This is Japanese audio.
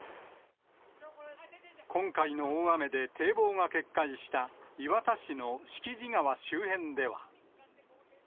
今回の大雨で堤防が決壊した磐田市の敷地川周辺では。